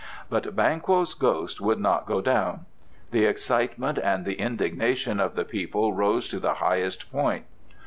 "But Banquo's ghost would not go down!" The excitement and the indignation of the people rose to the highest point.